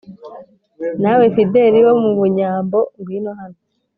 Na we Fideli wo mu Bunyambo ngwino hano